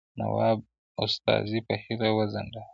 نواب استازی په هیله وځنډاوه.